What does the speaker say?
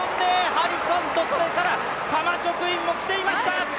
ハリソンとカマチョクインも来ていました！